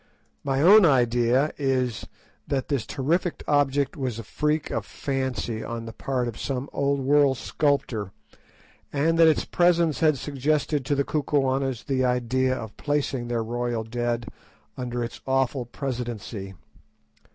My own idea is, that this terrific object was a freak of fancy on the part of some old world sculptor, and that its presence had suggested to the Kukuanas the idea of placing their royal dead under its awful presidency.